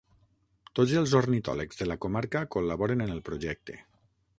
Tots els ornitòlegs de la comarca col·laboren en el projecte.